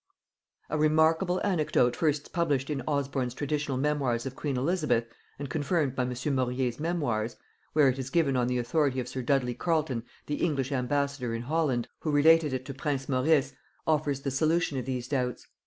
A remarkable anecdote first published in Osborn's Traditional Memoirs of Queen Elizabeth, and confirmed by M. Maurier's Memoirs, where it is given on the authority of sir Dudley Carleton the English ambassador in Holland, who related it to prince Maurice, offers the solution of these doubts.